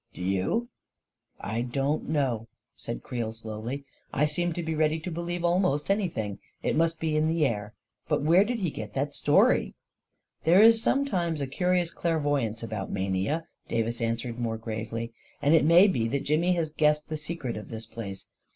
Do you?" 14 1 don't know," said Creel, slowly. 44 1 seem to be ready to believe almost anything — it must be in the air ! But where did he get that story? " 44 There is sometimes a curious clairvoyance about mania," Davis answered, more gravely, " and it may be that Jimmy has guessed the secret of this place.